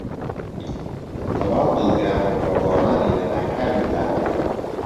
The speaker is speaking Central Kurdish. تەواو دڵگران بووم بە گۆڕانی لەناکاوی پلانەکە.